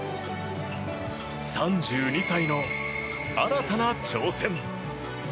３２歳の新たな挑戦。